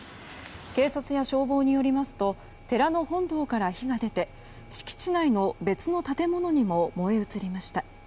警察や消防によりますと寺の本堂から火が出て敷地内の別の建物にも燃え移りました。